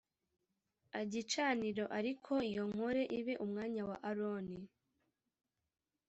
agicaniro ariko iyo nkoro ibe umwanya wa Aroni